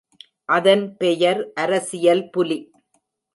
அதன் பெயர் அரசியல் புலி.